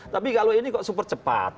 tapi kalau ini kok super cepat